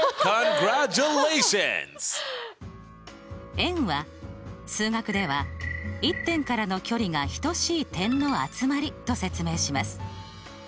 円は数学では１点からの距離が等しい点の集まりと説明します。